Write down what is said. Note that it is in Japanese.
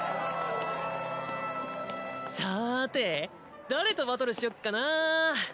さて誰とバトルしよっかなぁ。